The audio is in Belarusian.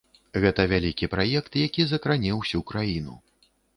Гэта вялікі праект, які закране ўсю краіну.